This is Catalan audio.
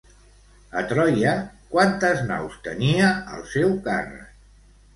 A Troia quantes naus tenia al seu càrrec?